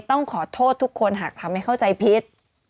ต้องขอโทษทุกคนหากทำให้เข้าใจผิด